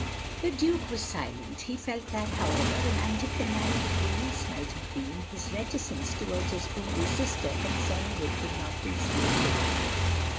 The Duke was silent. He felt that, however romantic the marriage of Louis might have been, his reticence towards his only sister, concerning it, could not be explained away.